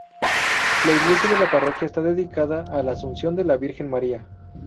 La iglesia de la parroquia está dedicada a la Asunción de la Virgen María.